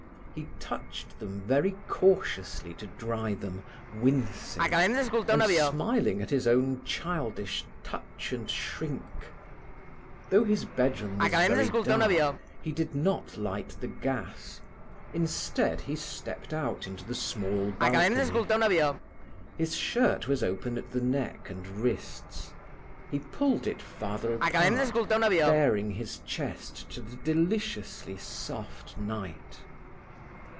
He touched them very cautiously to dry them, wincing, and smiling at his own childish touch and shrink. Though his bedroom was very dark, he did not light the gas. Instead, he stepped out into the small balcony. His shirt was open at the neck and wrists. He pulled it farther apart, baring his chest to the deliciously soft night.